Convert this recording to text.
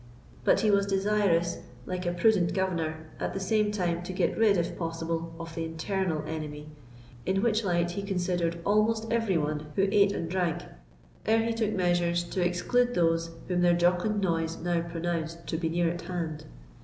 But he was desirous, like a prudent governor, at the same time to get rid, if possible, of the internal enemy, in which light he considered almost every one who eat and drank, ere he took measures to exclude those whom their jocund noise now pronounced to be near at hand.